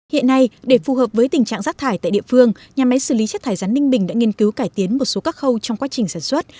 hiện nay để phù hợp với tình trạng rác thải tại địa phương nhà máy xử lý chất thải rắn ninh bình đã nghiên cứu cải tiến một số các khâu trong quá trình sản xuất